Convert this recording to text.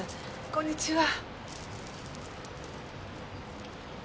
こんにちは。